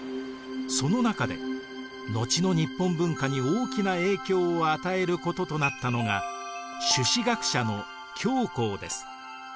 その中で後の日本文化に大きな影響を与えることとなったのが朱子学者の姜です。